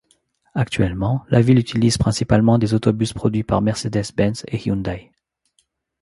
Actuellement, la ville utilise principalement des autobus produits par Mercedes-Benz et Hyundai.